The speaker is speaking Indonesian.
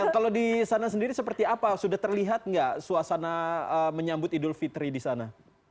kalau di sana sendiri seperti apa sudah terlihat nggak suasana menyambut idul fitri di sana